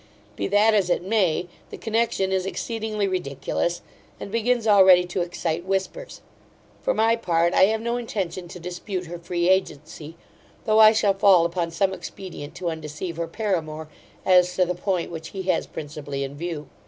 Be that as it may, the connexion is exceedingly ridiculous, and begins already to excite whispers. For my part, I have no intention to dispute her free agency; though I shall fall upon some expedient to undeceive her paramour, as to the point which he has principally in view.